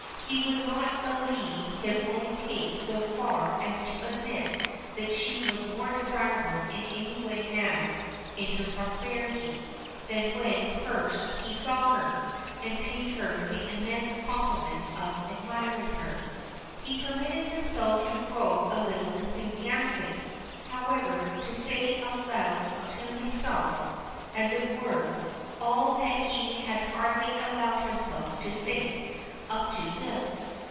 He would not belie his own taste so far as so admit that she was more desirable in any way now, in her prosperity, than when first he saw her, and paid her the immense compliment of admiring her. He permitted himself to grow a little enthusiastic, however, to say out loud to himself, as it were, all that he had hardly allowed himself to think up to this.